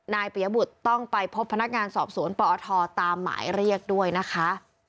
เปียบุตรต้องไปพบพนักงานสอบสวนปอทตามหมายเรียกด้วยนะคะ